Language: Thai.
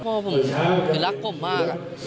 เพราะว่าผมคือรักผมมาก